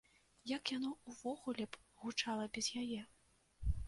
Як яно ўвогуле б гучала без яе!